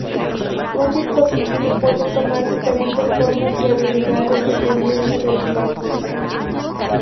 Un Dispositivo puede tomar diferentes formas y habilidades dependiendo del Blazer.